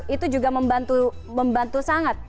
itu juga membantu sangat